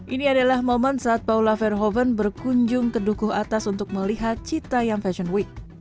ini adalah momen saat paula verhoeven berkunjung ke dukuh atas untuk melihat cita yang fashion week